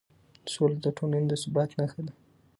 سوله د ټولنې د ثبات نښه ده